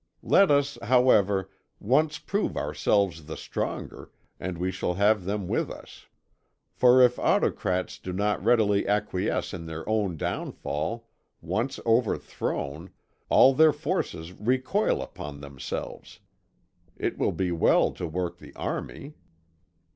Let us, however, once prove ourselves the stronger, and we shall have them with us. For if autocrats do not readily acquiesce in their own downfall, once overthrown, all their forces recoil upon themselves. It will be well to work the Army.